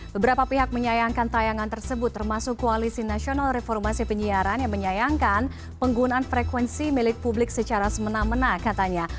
beberapa pihak menyayangkan tayangan tersebut termasuk koalisi nasional reformasi penyiaran yang menyayangkan penggunaan frekuensi milik publik secara semena mena katanya